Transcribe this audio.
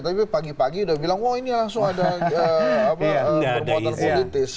tapi pagi pagi udah bilang wah ini langsung ada perbuatan politis